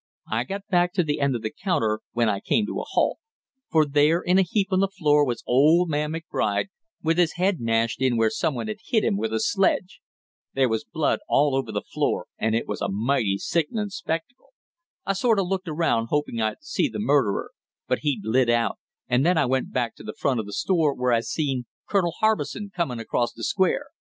I got back to the end of the counter when I came to a halt, for there in a heap on the floor was old man McBride, with his head mashed in where some one had hit him with a sledge. There was blood all over the floor, and it was a mighty sickenin' spectacle. I sort of looked around hoping I'd see the murderer, but he'd lit out, and then I went back to the front of the store, where I seen Colonel Harbison coming across the Square.